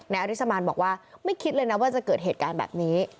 อริสมานบอกว่าไม่คิดเลยนะว่าจะเกิดเหตุการณ์แบบนี้